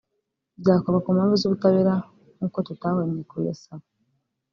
byakorwa ku mpamvu z’ubutabera nk’uko tutahwemye kubisaba